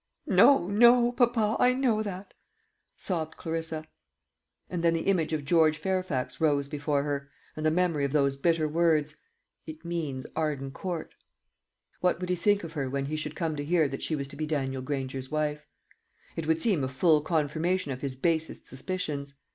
"No, no, papa, I know that," sobbed Clarissa. And then the image of George Fairfax rose before her, and the memory of those bitter words, "It means Arden Court." What would he think of her when he should come to hear that she was to be Daniel Granger's wife? It would seem a full confirmation of his basest suspicions.